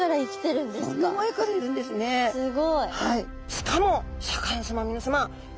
しかもシャーク香音さまみなさまなんとですね